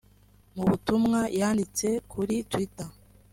Mu butumwa yanditse kuri Twitter